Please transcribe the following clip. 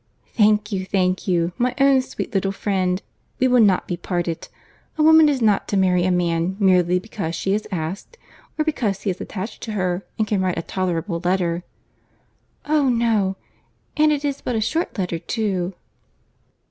"Thank you, thank you, my own sweet little friend. We will not be parted. A woman is not to marry a man merely because she is asked, or because he is attached to her, and can write a tolerable letter." "Oh no;—and it is but a short letter too."